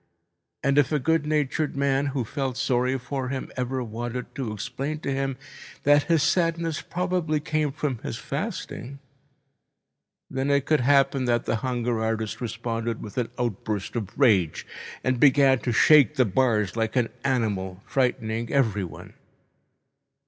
And if a good natured man who felt sorry for him ever wanted to explain to him that his sadness probably came from his fasting, then it could happen that the hunger artist responded with an outburst of rage and began to shake the bars like an animal, frightening everyone.